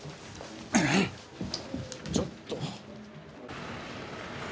ちょっと。